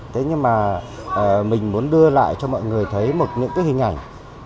thế nhưng mà mình muốn đưa lại cho mọi người thấy một những cái hình ảnh